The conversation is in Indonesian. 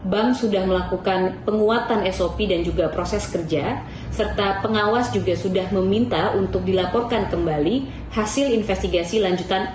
bank sudah melakukan penguatan sop dan juga proses kerja serta pengawas juga sudah meminta untuk dilaporkan kembali hasil investigasi lanjutan